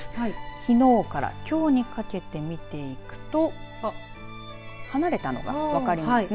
きのうからきょうにかけて見ていくと離れたのが分かりますね。